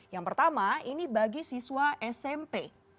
yang pertama ini bagi siswa smp